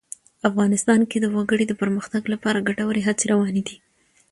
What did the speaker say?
افغانستان کې د وګړي د پرمختګ لپاره ګټورې هڅې روانې دي.